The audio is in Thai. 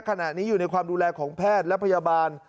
ขณะนี้อยู่ในความดูแลของแพทย์และพยาบาล